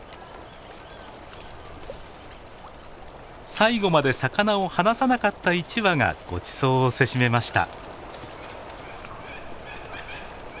最後まで魚を放さなかった一羽がごちそうをせしめました。